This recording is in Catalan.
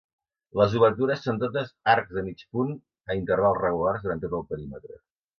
Les obertures són totes arcs de mig punt a intervals regulars durant tot el perímetre.